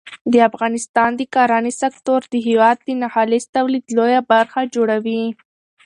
د افغانستان د کرنې سکتور د هېواد د ناخالص تولید لویه برخه جوړوي.